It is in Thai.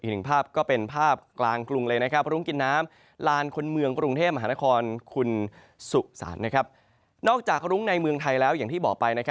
จากกลุ่มใหญ่มือในเมืองไทยแล้วในที่บอกไป